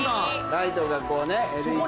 ライトがこうねＬＥＤが。